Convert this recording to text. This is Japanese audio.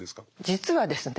実はですね